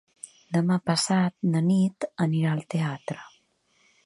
Demà passat na Nit anirà al teatre.